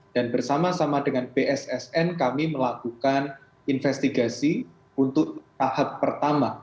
dan bersama sama dengan bssn kami melakukan investigasi untuk tahap pertama